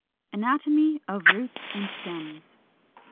ANATOMY OF ROOTS AND STEMS.